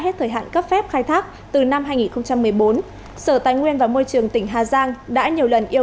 được cấp phép khai thác từ năm hai nghìn một mươi bốn sở tài nguyên và môi trường tỉnh hà giang đã nhiều lần yêu